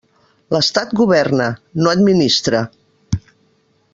L'estat governa, no administra.